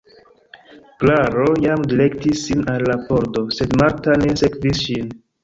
Klaro jam direktis sin al la pordo, sed Marta ne sekvis ŝin.